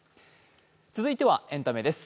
続いてはエンタメです。